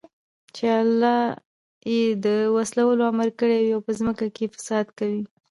چې الله ئې د وصلَولو امر كړى او په زمكه كي فساد كوي